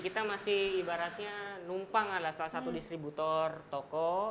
kita masih ibaratnya numpang adalah salah satu distributor toko